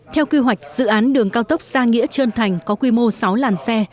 theo kỳ hoạch dự án đường cao tốc gia nghĩa trân thành có quy mô sáu làn xe